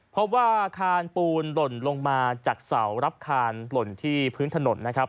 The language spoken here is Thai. พบว่าคานปูนหล่นลงมาจากเสารับคานหล่นที่พื้นถนนนะครับ